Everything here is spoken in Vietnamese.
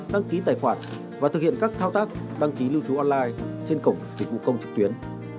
đăng ký tài khoản và thực hiện các thao tác đăng ký lưu trú online trên cổng dịch vụ công trực tuyến